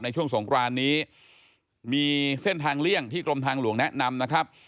ช่วงสงครานนี้มีเส้นทางเลี่ยงที่กรมทางหลวงแนะนำนะครับ